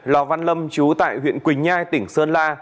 lò văn lâm chú tại huyện quỳnh nhai tỉnh sơn la